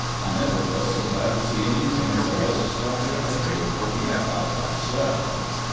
"I never was so glad to see anything as I was to spot your headgear poking up out of that swell!"